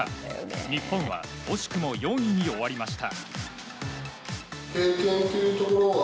日本は惜しくも４位に終わりました。